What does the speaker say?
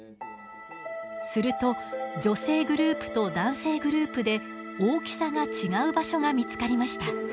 すると女性グループと男性グループで大きさが違う場所が見つかりました。